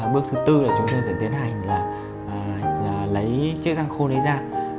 bước thứ bốn là chúng tôi sẽ tiến hành lấy chiếc răng khôn ấy ra